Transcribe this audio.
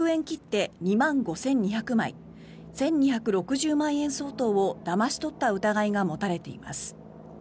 切手２万５２００枚１２６０万円相当をだまし取った疑いが持たれています。